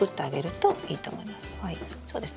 そうです。